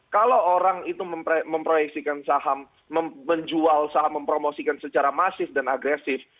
kalau orang itu memproyeksikan saham menjual saham mempromosikan secara masif dan agresif